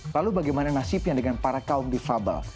lalu bagaimana nasibnya dengan para kaum difabel